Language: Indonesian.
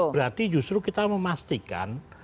berarti justru kita memastikan